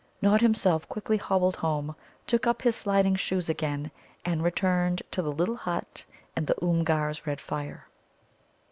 Nod himself quickly hobbled home, took up his sliding shoes again, and returned to the little hut and the Oomgar's red fire.